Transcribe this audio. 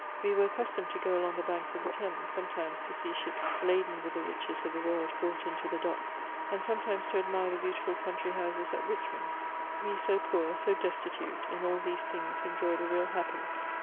We were accustomed to go along the banks of the Thames, sometimes to see ships laden with the riches of the world brought into the docks, and sometimes to admire the beau dful country houses at Richmond; we so poor — so destitute — in all these thmgs enjoyed a real happiness.